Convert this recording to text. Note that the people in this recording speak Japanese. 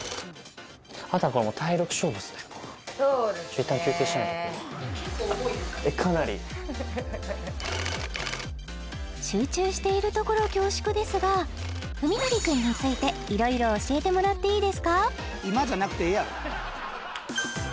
いったん休憩しないと集中しているところ恐縮ですが史記くんについていろいろ教えてもらっていいですか？